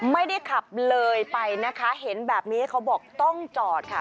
ไม่ได้ขับเลยไปนะคะเห็นแบบนี้เขาบอกต้องจอดค่ะ